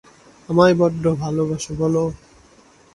আমায় বড্ড ভালোবাসো বলে?